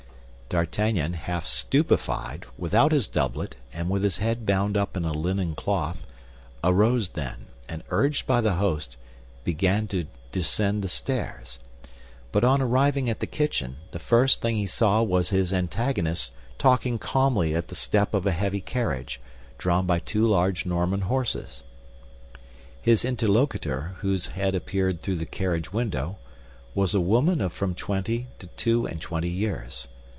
D'Artagnan, half stupefied, without his doublet, and with his head bound up in a linen cloth, arose then, and urged by the host, began to descend the stairs; but on arriving at the kitchen, the first thing he saw was his antagonist talking calmly at the step of a heavy carriage, drawn by two large Norman horses. His interlocutor, whose head appeared through the carriage window, was a woman of from twenty to two and twenty years.